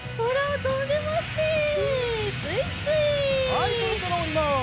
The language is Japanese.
はいそろそろおります。